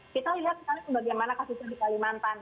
kita lihat misalnya bagaimana kasusnya di kalimantan